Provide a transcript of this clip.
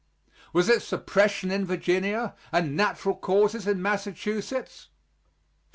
Was it suppression in Virginia and natural causes in Massachusetts?